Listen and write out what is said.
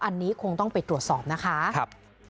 อันนี้คงต้องไปตรวจสอบนะคะ